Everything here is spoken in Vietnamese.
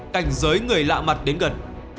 cảnh giới người lạ mặt đến gần